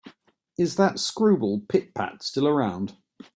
Is that screwball Pit-Pat still around?